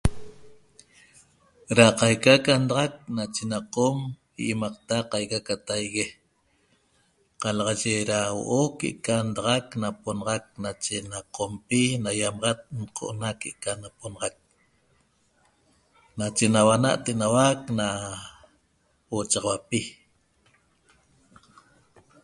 Da caica da ndaxaq nache na qom iemaqta caica tague calaxaye da huoo que eca ndaxaq naponaxaq nache na qompi nañamaxat nocoo'na que eca naponaxaq nachena nahuana ena huochaxahuapi